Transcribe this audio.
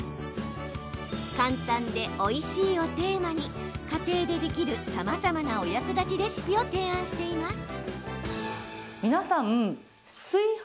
簡単でおいしいをテーマに家庭でできるさまざまなお役立ちレシピを提案しています。